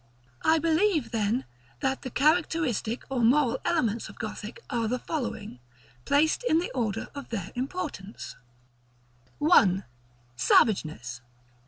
§ VI. I believe, then, that the characteristic or moral elements of Gothic are the following, placed in the order of their importance: 1. Savageness.